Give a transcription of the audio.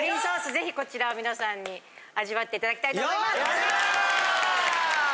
ぜひこちらを皆さんに味わっていただきたいと思います。